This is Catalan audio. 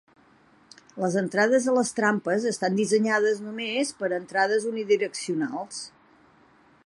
Les entrades a les trampes estan dissenyades només per a entrades unidireccionals.